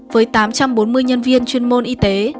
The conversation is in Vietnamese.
với tám trăm bốn mươi nhân viên chuyên môn y tế